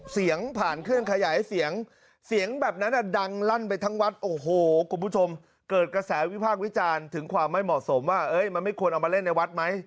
ผ่านเครื่องขยายเสียงเสียงแบบนั้นดังลั่นไปทั้งวัดโอ้โหคุณผู้ชมเกิดกระแสวิพากษ์วิจารณ์ถึงความไม่เหมาะสมว่ามันไม่ควรเอามาเล่นในวัดไหม